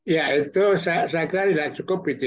ya itu saya kira tidak cukup gitu